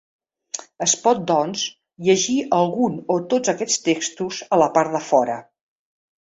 Es pot, doncs, llegir algun o tots aquests textos a la part de fora.